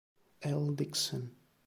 L. Dickson.